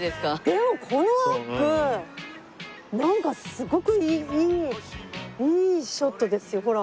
でもこのアップなんかすごくいいいいショットですよほら。